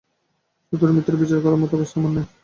শত্রুমিত্র বিচার করবার মতো অবস্থা আমার নয়।